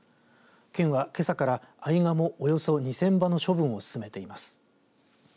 県は、けさからアイガモおよそ２０００羽の処分を進めています。